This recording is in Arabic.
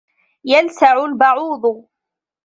يَلْسَعُ الْبَعوضُ.